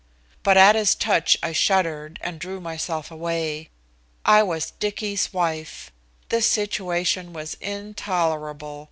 But at his touch I shuddered, and drew myself away. I was Dicky's wife. This situation was intolerable.